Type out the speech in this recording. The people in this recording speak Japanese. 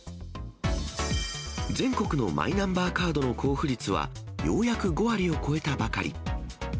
全国のマイナンバーカードの交付率はようやく５割を超えたばかり。